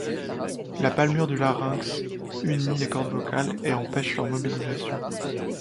La palmure du larynx unit les cordes vocales et empêche leur mobilisation.